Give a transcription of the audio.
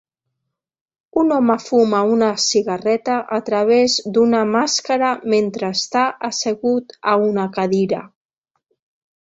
Un home fuma una cigarreta a través d'una màscara mentre està assegut a una cadira.